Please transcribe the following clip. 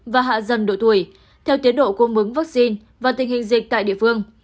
và hạ dần độ tuổi theo tiến độ cung bứng vaccine và tình hình dịch tại địa phương